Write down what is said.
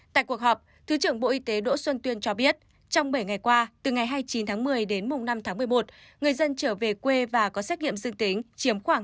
tại cuộc họp thứ trưởng bộ y tế đỗ xuân tuyên cho biết trong bảy ngày qua từ ngày hai mươi chín tháng một mươi đến năm tháng một mươi một người dân trở về quê và có xét nghiệm dương tính chiếm khoảng tám mươi